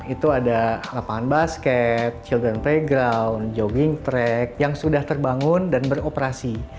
itu ada lapangan basket children playground jogging track yang sudah terbangun dan beroperasi